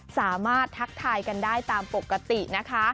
สามารถทักทายกันได้ตามปกตินะคะ